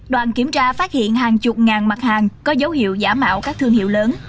đoàn kiểm tra phát hiện hàng chục ngàn mặt hàng có dấu hiệu giả mạo các thương hiệu lớn